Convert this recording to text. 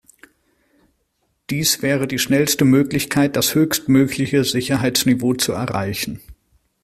Dies wäre die schnellste Möglichkeit, das höchstmögliche Sicherheitsniveau zu erreichen.